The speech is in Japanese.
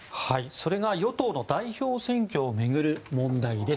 それが与党の代表選挙を巡る問題です。